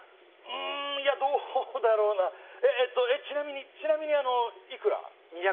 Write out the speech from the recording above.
うんいやどうだろうなえとえっちなみにちなみにあのいくら？